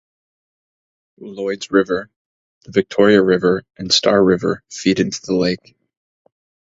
Lloyds River, the Victoria River and Star River feed into the lake.